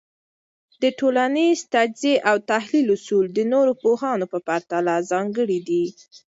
د ټولنيز تجزیه او تحلیل اصول د نورو پوهانو په پرتله ځانګړي دي.